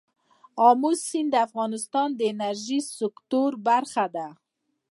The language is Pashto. آمو سیند د افغانستان د انرژۍ سکتور برخه ده.